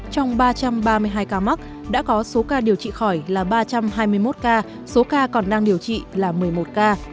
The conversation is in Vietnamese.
trong ba trăm ba mươi hai ca mắc đã có số ca điều trị khỏi là ba trăm hai mươi một ca số ca còn đang điều trị là một mươi một ca